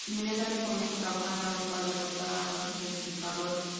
Inmediatamente, comienza a trabajar en algo para derrotar a los Replicadores.